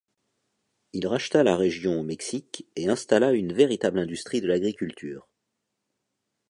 Il racheta la région au Mexique et installa une véritable industrie de l'agriculture.